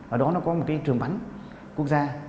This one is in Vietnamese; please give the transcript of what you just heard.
ở đó nó có một cái trường bắn quốc gia